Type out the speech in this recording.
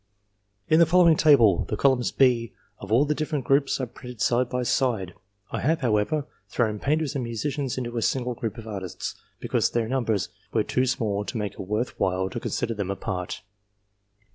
In the following table, the columns B of all the different groups are printed side by side ; I have, how ever, thrown Painters and Musicians into a single group of Artists, because their numbers were too small to make it worth while to consider them apart.